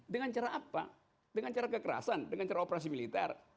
dengan cara apa dengan cara kekerasan dengan cara operasi militer